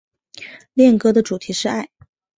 恋歌的主题是爱。